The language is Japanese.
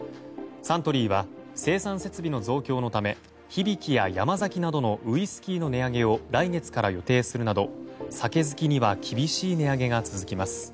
サントリーは生産設備の増強のため響や山崎などのウイスキーの値上げを来月から予定するなど酒好きには厳しい値上げが続きます。